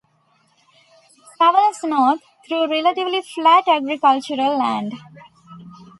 It travels north, through relatively flat agricultural land.